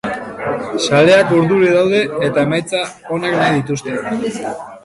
Zaleak urduri daude, eta emaitza onak nahi dituzte.